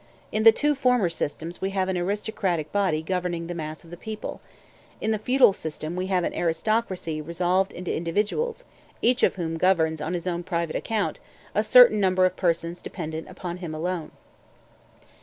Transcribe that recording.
In the two former systems we have an aristocratic body governing the mass of the people; in the feudal system we have an aristocracy resolved into individuals, each of whom governs on his own private account a certain number of persons dependent upon him alone.